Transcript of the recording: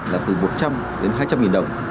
là từ một trăm linh đến hai trăm linh nghìn đồng